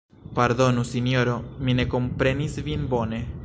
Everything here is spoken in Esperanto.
Pardonu, Sinjoro, mi ne komprenis vin bone.